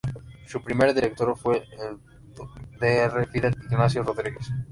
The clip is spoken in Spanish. Su primer director fue el Dr. Fidel Ignacio Rodríguez.